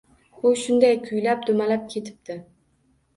U shunday kuylab dumalab ketibdi